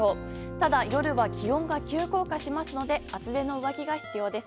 ただ夜は気温が急降下しますので厚手の上着が必要です。